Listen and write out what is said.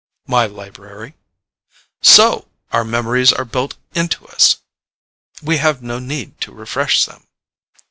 "My library." "So! Our memories are built into us. We have no need to refresh them."